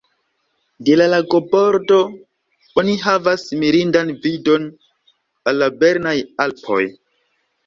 De la lagobordo oni havas mirindan vidon al la Bernaj Alpoj.